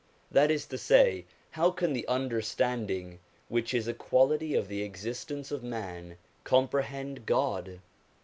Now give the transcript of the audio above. that is to say, how can the under standing, which is a quality of the existence of man, comprehend God